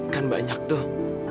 kan banyak tuh